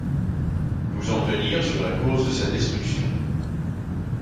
nous en tenir sur la cause de sa destruction.